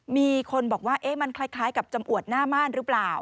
มีคนบอกว่ามันคล้ายกับจำอวดหน้าม่านหรือเปล่า